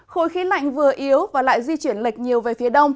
khối khí lạnh vừa yếu và lại di chuyển lệch nhiều về phía đông